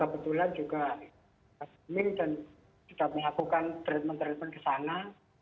kebetulan juga kita mengambil dan kita mengakukan treatment treatment ke sana